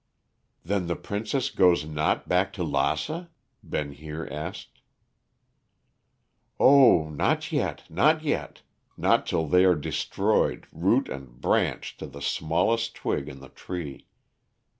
"Then the princess goes not back to Lassa?" Ben Heer asked. "Oh, not yet, not yet. Not till they are destroyed, root and branch to the smallest twig on the tree.